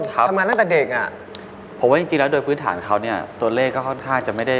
เขาบอกขนานนั้นโดยภาพรวมตัวเลขก็ถือว่าใช้ได้